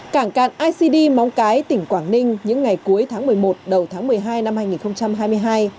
cảng cạn icd móng cái tỉnh quảng ninh những ngày cuối tháng một mươi một đầu tháng một mươi hai năm hai nghìn hai mươi hai